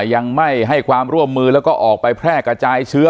ยังไม่ให้ความร่วมมือแล้วก็ออกไปแพร่กระจายเชื้อ